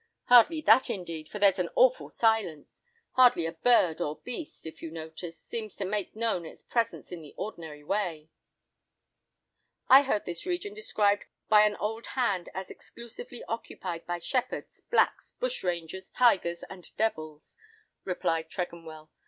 Hardly that indeed, for there's an awful silence: hardly a bird or beast, if you notice, seems to make known its presence in the ordinary way." "I heard this region described by an old hand as exclusively occupied by shepherds, blacks, bushrangers, tigers and devils," replied Tregonwell.